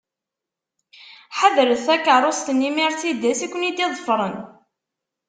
Ḥadret takeṛṛust-nni Mercedes i ken-id-iḍefren.